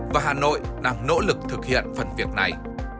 và hà nội đang nỗ lực thực hiện phần việc này